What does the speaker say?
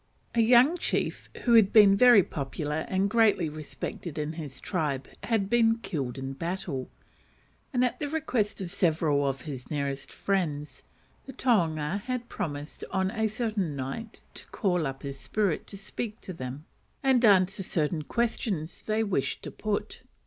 A young chief, who had been very popular and greatly respected in his tribe, had been killed in battle; and, at the request of several of his nearest friends, the tohunga had promised on a certain night to call up his spirit to speak to them, and answer certain questions they wished to put.